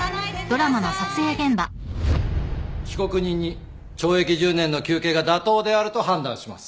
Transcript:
被告人に懲役１０年の求刑が妥当であると判断します。